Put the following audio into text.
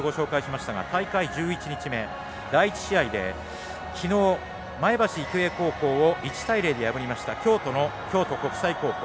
大会１１日目第１試合できのう前橋育英高校を１対０で破りました京都の京都国際高校。